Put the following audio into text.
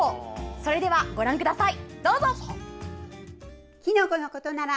それでは、ご覧ください。